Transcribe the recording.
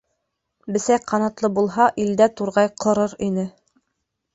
Бесәй ҡанатлы булһа, илдә турғай ҡорор ине.